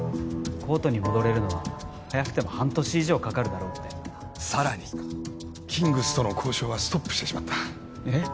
コートに戻れるのは早くても半年以上かかるだろうってさらにキングスとの交渉はストップしてしまったえっ？